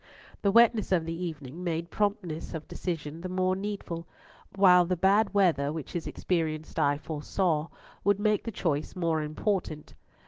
The wetness of the evening made promptness of decision the more needful, while the bad weather which his experienced eye foresaw would make the choice more important.